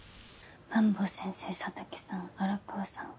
萬坊先生佐竹さん荒川さん